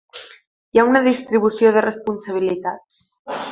Hi ha una distribució de responsabilitats.